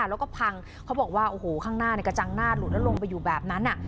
แล้วก็พังเขาบอกว่าโอ้โหข้างหน้ากระจังหน้าหลุดแล้วลงไปอยู่แบบนั้น